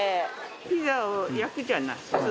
ピザを焼くじゃない。